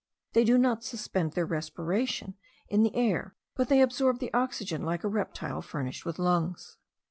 They do not suspend their respiration in the air; but they absorb the oxygen like a reptile furnished with lungs.